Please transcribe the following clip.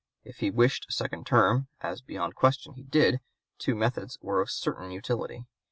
If he wished a second term, as beyond question he did, two methods were of certain utility.